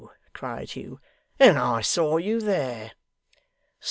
cried Hugh. 'And I saw you there.